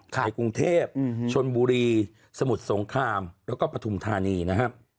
ในกรุงเทพชนบุรีสมุทรสงครามแล้วก็ปฐุมธานีนะครับ